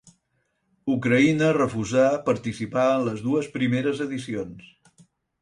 Ucraïna refusà participar les dues primeres edicions.